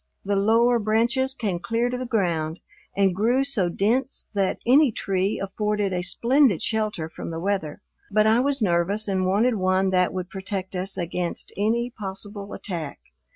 The lower branches came clear to the ground and grew so dense that any tree afforded a splendid shelter from the weather, but I was nervous and wanted one that would protect us against any possible attack.